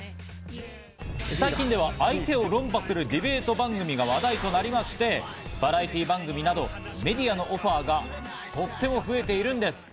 最近では相手を論破するディベート番組が話題となりまして、バラエティー番組などメディアのオファーがとっても増えているんです。